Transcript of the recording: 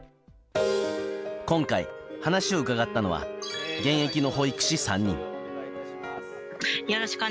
今回、話を伺ったのは現役の保育士３人。